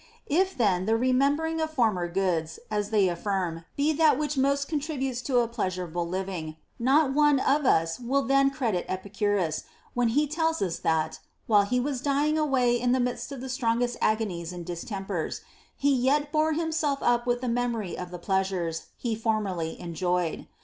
18. If then the remembering of former good things (as they affirm) be that which most contributes to a pleas urable living, not one of us will then credit Epicurus when he tells us that, while he was dying away in the midst of the strongest agonies and distempers, he yet bore himself up with the memory of the pleasures he formerly enjoyed.